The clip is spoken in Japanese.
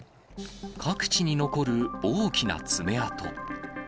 各地に残る大きな爪痕。